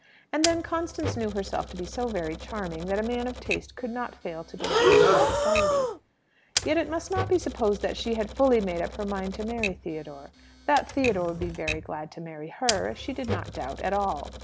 And then Constance knew herself to be so very charming, that a man of taste could not fail to delight in her society. Yet it must not be supposed that she had fully made up her mind to marry Theodore. That Theodore would be very glad to marry her she did not doubt at all.